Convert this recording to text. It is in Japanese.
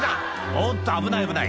おっと危ない危ない」